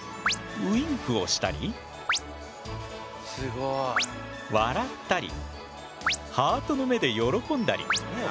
ウインクをしたり笑ったりハートの目で喜んだり。